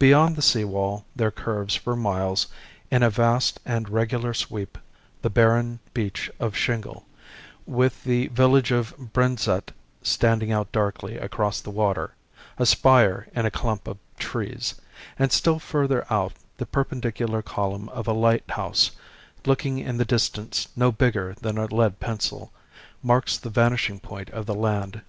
Beyond the sea wall there curves for miles in a vast and regular sweep the barren beach of shingle, with the village of Brenzett standing out darkly across the water, a spire in a clump of trees; and still further out the perpendicular column of a lighthouse, looking in the distance no bigger than a lead pencil, marks the vanishing point of the land.